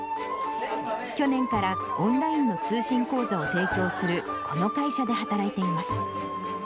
去年から、オンラインの通信講座を提供するこの会社で働いています。